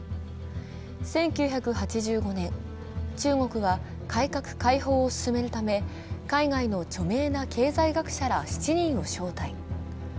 １９８５年、中国は改革・開放を進めるため海外の著名な経済学者やら７人を招待。